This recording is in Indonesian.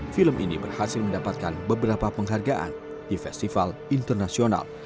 film ini berhasil mendapatkan beberapa penghargaan di festival internasional